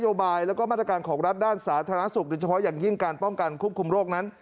โยบายแล้วก็มาตรการของรัฐด้านสาธารณสุขโดยเฉพาะอย่างยิ่งการป้องกันควบคุมโรคนั้น